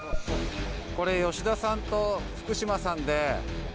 これ吉田さんと福島さんで。